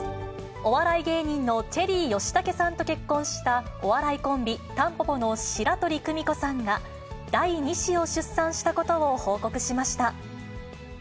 お笑い芸人のチェリー吉武さんと結婚した、お笑いコンビ、たんぽぽの白鳥久美子さんが、第２子を出産したことを報告しました。